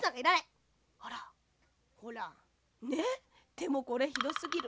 でもこれひどすぎる。